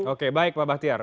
oke baik pak bahtiar